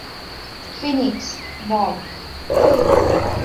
Phoenix, Bob.